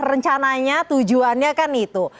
rencananya tujuannya kan itu